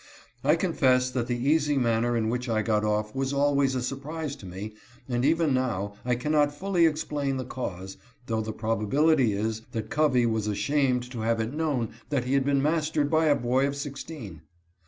I confess that the easy manner in which I got off was always a surprise to me, and even now I cannot fully explain the cause, though the probability is that Covey was ashamed to have it known that he had been mastered by a boy of sixteen.